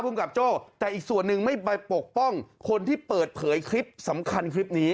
ภูมิกับโจ้แต่อีกส่วนหนึ่งไม่ไปปกป้องคนที่เปิดเผยคลิปสำคัญคลิปนี้